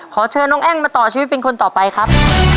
ขอเชิญน้องแอ้งมาต่อชีวิตเป็นคนต่อไปครับ